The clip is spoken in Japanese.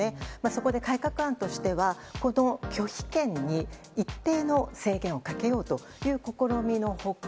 そこで改革案としてはこの拒否権に一定の制限をかけようという試みの他